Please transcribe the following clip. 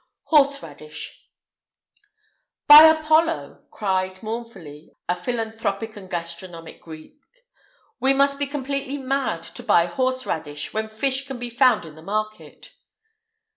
[IX 171] HORSE RADISH. "By Apollo!" cried, mournfully, a philanthropic and gastronomic Greek, "one must be completely mad to buy horse radish, when fish can be found in the market."